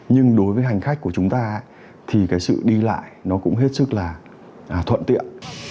nhưng đối với hành khách của chúng ta thì cái sự đi lại nó cũng hết sức là thuận tiện